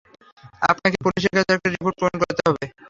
আপনাকে পুলিশের কাছে একটা রিপোর্ট পূরণ করতে হবে!